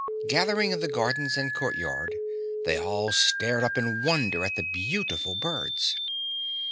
Gathering in the gardens and court yard, they all stared up in wonder at the beautiful birds.